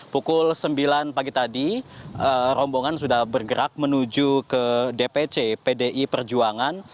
pukul sembilan pagi tadi rombongan sudah bergerak menuju ke dpc pdi perjuangan